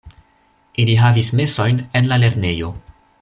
Ili havis mesojn en la lernejo.